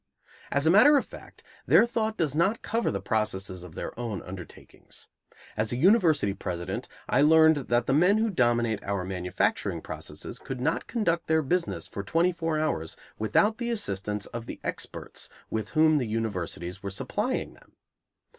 As a matter of fact, their thought does not cover the processes of their own undertakings. As a university president, I learned that the men who dominate our manufacturing processes could not conduct their business for twenty four hours without the assistance of the experts with whom the universities were supplying them.